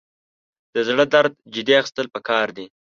د زړه درد جدي اخیستل پکار دي.